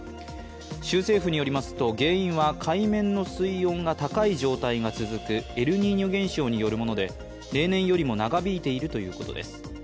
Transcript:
州政府によりますと、原因は海面の水温が高い状態が続くエルニーニョ現象によるもので例年よりも長引いているということです。